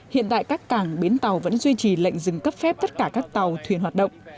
hiện tại các cảng bến tàu vẫn duy trì lệnh dừng cấp phép tất cả các tàu thuyền hoạt động